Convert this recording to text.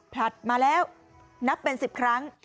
ผลัดมาแล้วนับเป็น๑๐ครั้ง